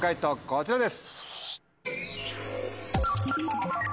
こちらです。